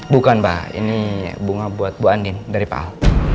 bukan pak ini bunga buat bu andin dari pak ahok